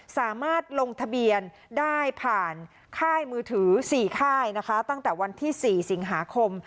สามารถลงทะเบียนได้ผ่านค่ายมือถือ๔ค่ายนะคะตั้งแต่วันที่๔สิงหาคม